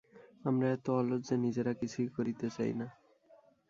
আমরা এত অলস যে, নিজেরা কিছুই করিতে চাই না।